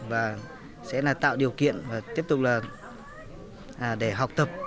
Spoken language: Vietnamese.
và sẽ là tạo điều kiện và tiếp tục là để học tập